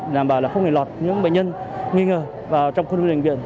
để đảm bảo là không thể lọt những bệnh nhân nghi ngờ vào trong khu vực bệnh viện